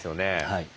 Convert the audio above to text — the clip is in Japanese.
はい。